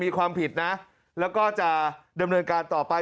มีความผิดนะแล้วก็จะดำเนินการต่อไป